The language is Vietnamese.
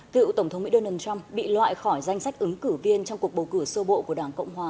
cựu tổng thống mỹ donald trump bị loại khỏi danh sách ứng cử viên trong cuộc bầu cử sơ bộ của đảng cộng hòa